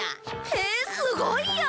へえすごいや！